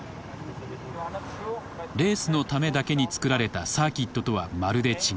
レースのためだけに造られたサーキットとはまるで違う。